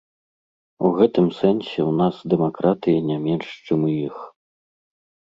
У гэтым сэнсе ў нас дэмакратыі не менш, чым у іх.